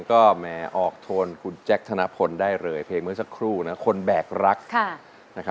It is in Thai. รักเธอจนตายจากกัน